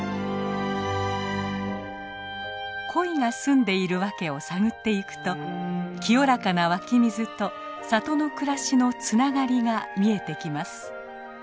コイが住んでいる訳を探っていくと清らかな湧き水と里の暮らしのつながりが見えてきます。